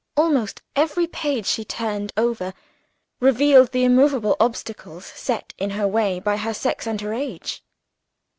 Almost every page that she turned over revealed the immovable obstacles set in her way by her sex and her age.